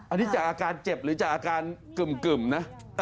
อันนี้จากอาการเจ็บหรือจากอาการกึ่มนะ